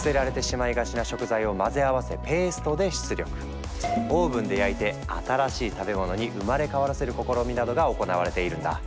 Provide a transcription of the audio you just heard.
例えばオーブンで焼いて新しい食べ物に生まれ変わらせる試みなどが行われているんだ。